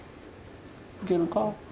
行けるか？